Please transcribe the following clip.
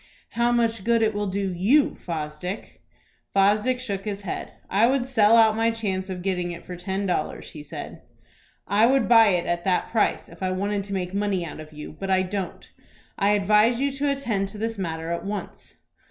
"How much good it will do you, Fosdick." Fosdick shook his head. "I would sell out my chance of getting it for ten dollars," he said. "I would buy it at that price if I wanted to make money out of you; but I don't. I advise you to attend to this matter at once."